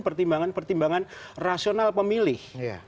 pertimbangan pertimbangan rasional pemilih